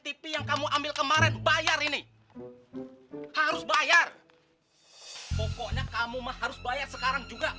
tv yang kamu ambil kemarin bayar ini harus bayar pokoknya kamu harus bayar sekarang juga